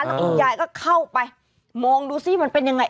แล้วคุณยายก็เข้าไปมองดูสิมันเป็นยังไง